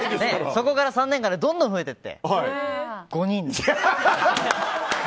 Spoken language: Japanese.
そこから３年間でどんどん増えていって、５人に。